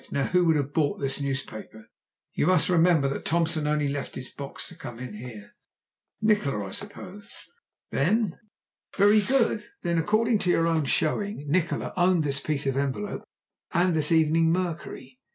Now who would have bought this newspaper? You must remember that Thompson only left his box to come in here." "Nikola, I suppose." "Very good. Then according to your own showing Nikola owned this piece of envelope and this Evening Mercury.